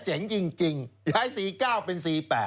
เจ๋งจริงย้าย๔๙เป็น๔๘